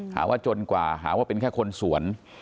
หาว่าจนกว่าหาว่าเป็นแค่คนสวน